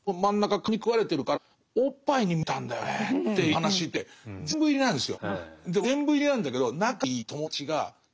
蚊にくわれてるからおっぱいに見えたんだよねっていう話って全部入りなんですよ。